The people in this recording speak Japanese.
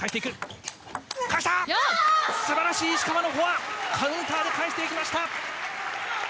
素晴らしい石川のフォアカウンターで返していきました。